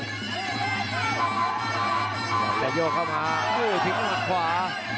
จะโยกเข้ามาทิ้งข้างขวา